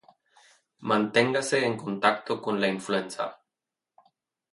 Manténgase en contacto con la influenza